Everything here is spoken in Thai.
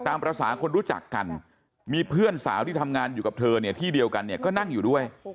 ตามภาษาคนรู้จักกันมีเพื่อนสาวที่ทำงานอยู่กับเธอเนี่ยที่เดียวกันเนี่ยก็นั่งอยู่ด้วย